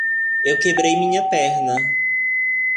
Eu quebrei minha perna.